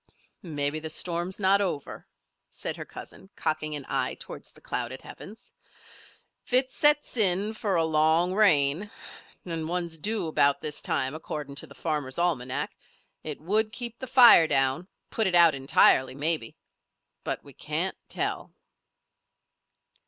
"Maybe the storm's not over," said her cousin, cocking an eye towards the clouded heavens. "If it sets in for a long rain (and one's due about this time according to the Farmer's Almanac) it would keep the fire down, put it out entirely, maybe. But we can't tell."